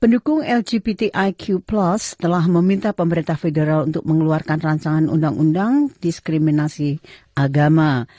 pendukung lgptiq plus telah meminta pemerintah federal untuk mengeluarkan rancangan undang undang diskriminasi agama